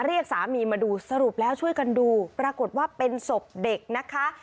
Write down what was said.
เรียกสามีมาดูสรุปแล้วช่วยกันดูปรากฏว่าเป็นศพเด็กนะคะ